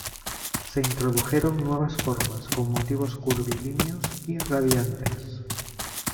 Se introdujeron nuevas formas, con motivos curvilíneos y radiantes.